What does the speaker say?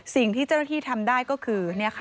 สิ่งที่เจ้าหน้าที่ทำได้ก็คือ